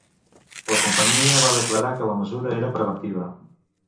La companyia va declarar que la mesura era preventiva.